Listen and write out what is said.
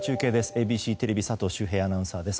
ＡＢＣテレビ佐藤修平アナウンサーです。